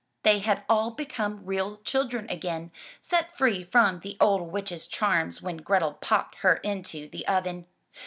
They had all become real children again, set free from the old witch's charms when Grethel popped her into the oven.